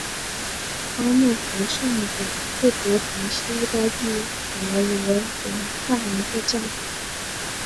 阿诺河圣雅各伯堂是意大利佛罗伦萨一个教堂。